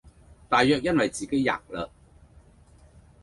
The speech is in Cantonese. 大約因爲自己喫了，